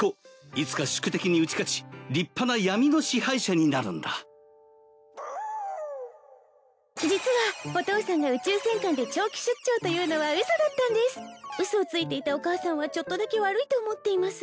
いつか宿敵に打ち勝ち立派な闇の支配者になるんだ実はお父さんが宇宙戦艦で長期出張というのは嘘だったんです嘘をついていたお母さんはちょっとだけ悪いと思っています